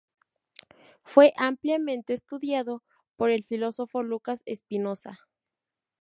Fue ampliamente estudiado por el filósofo Lucas Espinosa.